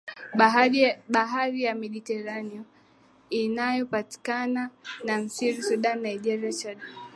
Bahari ya Mediteraneo inayopakana na Misri Sudan Niger Chad